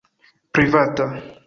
privata